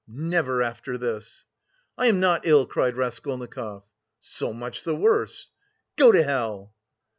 never after this..." "I am not ill," cried Raskolnikov. "So much the worse..." "Go to hell!"